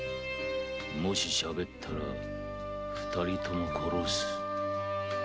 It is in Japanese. もししゃべったら二人とも殺す！